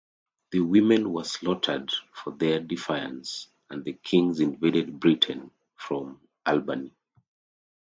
The women were slaughtered for their defiance and the kings invaded Britain from Albany.